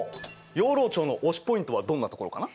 養老町の推しポイントはどんなところかな？